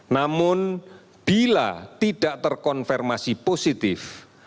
namun bila tidak terkonfirmasi positif